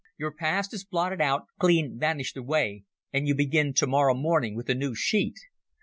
Your past is blotted out, clean vanished away, and you begin tomorrow morning with a new sheet.